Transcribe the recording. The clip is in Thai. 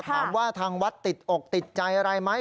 ถามว่าทางวัดติดอกติดใจอะไรไหม